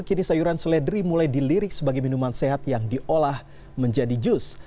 kini sayuran seledri mulai dilirik sebagai minuman sehat yang diolah menjadi jus